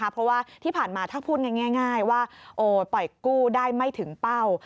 เพราะว่าที่ผ่านมาถ้าพูดง่ายว่าปล่อยกู้ได้ไม่ถึงเป้า